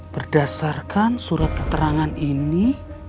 berdasarkan surat keterangan ini